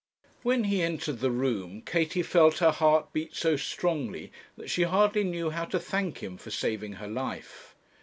When he entered the room, Katie felt her heart beat so strongly that she hardly knew how to thank him for saving her life.